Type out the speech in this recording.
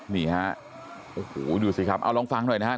นี่ฮะโอ้โหดูสิครับเอาลองฟังหน่อยนะฮะ